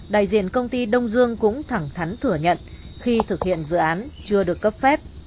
đại diện công ty đông dương cũng thẳng thắn thừa nhận khi thực hiện dự án chưa được cấp phép